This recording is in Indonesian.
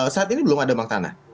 saat ini belum ada bank tanah